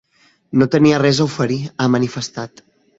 No tenia res a oferir, ha manifestat.